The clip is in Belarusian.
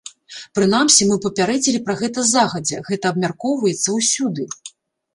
Прынамсі мы папярэдзілі пра гэта загадзя, гэта абмяркоўваецца ўсюды.